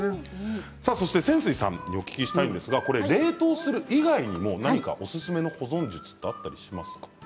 泉水さんにお聞きしたいんですが冷凍する以外にも何かおすすめの保存術ってあったりしますか？